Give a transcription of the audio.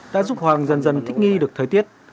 đã giúp hoàng dần dần thích nghi được thời tiết